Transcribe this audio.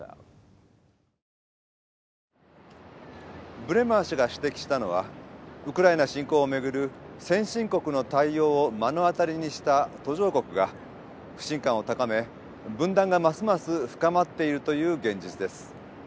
ブレマー氏が指摘したのはウクライナ侵攻を巡る先進国の対応を目の当たりにした途上国が不信感を高め分断がますます深まっているという現実です。